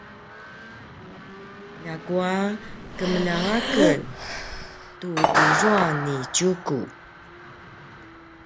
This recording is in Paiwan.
ljakua kemeljang a ken tu izua ni Tjuku